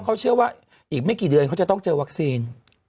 เขาเชื่อว่าอีกไม่กี่เดือนเขาจะต้องเจอวัคซีน